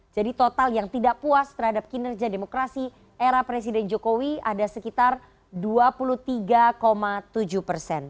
jadi total yang tidak puas terhadap kinerja demokrasi era presiden jokowi ada sekitar dua puluh tiga tujuh persen